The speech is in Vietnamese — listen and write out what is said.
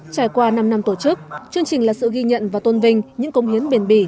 trải qua năm năm tổ chức chương trình là sự ghi nhận và tôn vinh những công hiến bền bỉ